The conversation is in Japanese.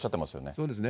そうですね。